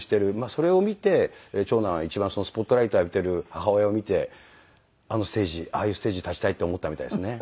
それを見て長男は一番スポットライトを浴びている母親を見てあのステージああいうステージに立ちたいって思ったみたいですね。